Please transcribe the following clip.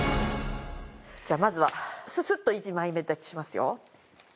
じゃあまずはススッと１枚目出しますよ。